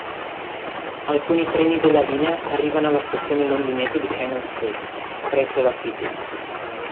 Alcuni treni della linea arrivano alla stazione londinese di Cannon Street, presso la City.